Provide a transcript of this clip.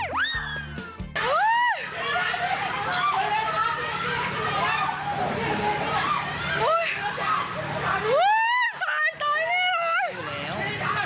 หูยยยตายตายตาย